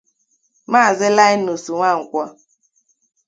Maazị Linus Nwankwo